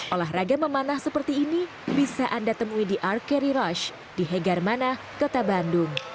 olahraga memanah seperti ini bisa anda temui di arcari rush di hegar manah kota bandung